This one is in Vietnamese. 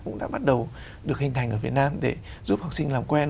cũng đã bắt đầu được hình thành ở việt nam để giúp học sinh làm quen